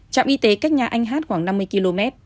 trạm y tế cách nhà anh hát khoảng năm mươi km